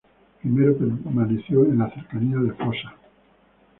Primero permaneció en las cercanías de Foča.